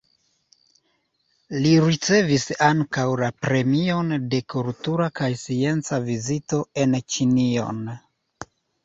Li ricevis ankaŭ la Premion de Kultura kaj Scienca Vizito en Ĉinion.